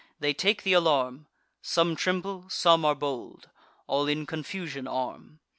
They take th' alarm: Some tremble, some are bold; all in confusion arm.